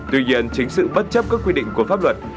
tuy nhiên chính sự bất chấp các quy định của pháp luật